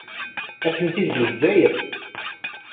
Atenti deg Lezzayer.